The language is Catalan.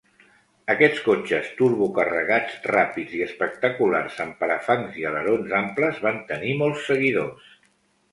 Aquests cotxes turbocarregats ràpids i espectaculars amb parafangs i alerons amples van tenir molts seguidors.